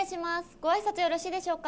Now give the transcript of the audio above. ごあいさつよろしいでしょうか？